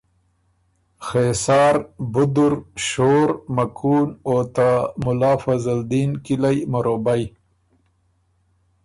خېسار، بُدُر، شور، مکُون او ته مُلا فضل دین کِلئ مروبئ